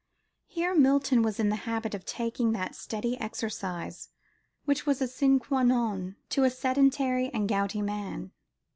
Here Milton was in the habit of taking that steady exercise which was a sine quâ non to a sedentary and gouty man.